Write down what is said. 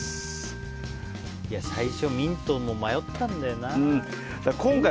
最初ミントも迷ったんだよね。